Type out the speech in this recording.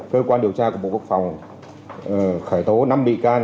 cơ quan điều tra của bộ quốc phòng khởi tố năm bị can